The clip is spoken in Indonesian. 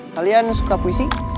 kalian suka puisi